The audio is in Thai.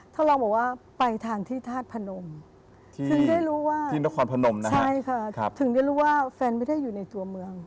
ท่านรองบอกว่าไปทานที่ทาสพนมถึงได้รู้ว่าแฟนไม่ได้อยู่ในตัวเมือง